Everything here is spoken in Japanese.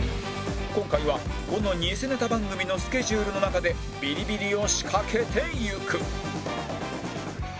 今回はこの偽ネタ番組のスケジュールの中でビリビリを仕掛けていく